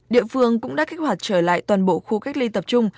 địa phương cũng đã kích hoạt trở lại toàn bộ khu cách ly tập trung